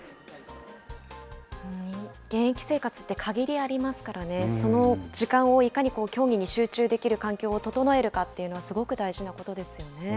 現役生活って限りがありますからね、その時間をいかに競技に集中できる環境を整えるかっていうのは、すごく大事なことですよね。